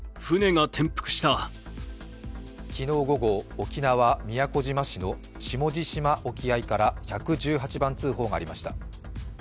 昨日午後、沖縄・宮古島市の下地島沖合から１１９番通報がありました。